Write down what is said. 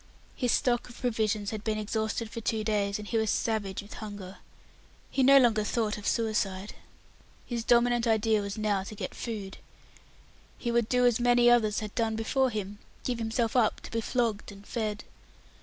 His stock of provisions had been exhausted for two days, and he was savage with hunger. He no longer thought of suicide. His dominant idea was now to get food. He would do as many others had done before him give himself up to be flogged and fed.